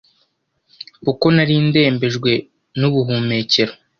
kuko nari ndembejwe n’ubuhumekero,